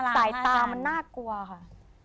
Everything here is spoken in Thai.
สายตามันน่ากลัวค่ะ